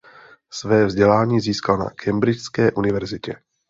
Své vzdělání získal na cambridgeské univerzitě.